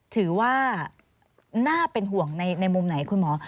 ถือว่าน่าเป็นห่วงในมุมไหนคุณหมอ